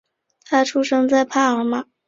他出生在帕尔马。